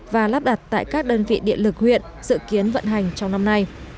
và lắp đặt tại các đơn vị điện lực huyện dự kiến vận hành trong năm nay